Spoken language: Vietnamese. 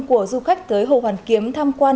của du khách tới hồ hoàn kiếm tham quan